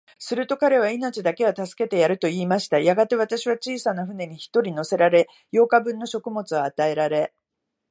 すると彼は、命だけは助けてやる、と言いました。やがて、私は小さな舟に一人乗せられ、八日分の食物を与えられ、